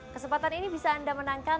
kesempatan ini bisa anda menangkan